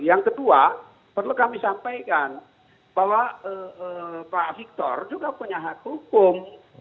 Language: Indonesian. yang kedua perlu kami sampaikan bahwa pak victor juga punya hak hukum